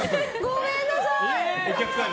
ごめんなさい！